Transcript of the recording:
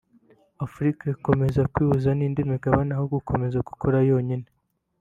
Afurika igakomeza kwihuza n’indi migabane aho gukomeza gukora yonyine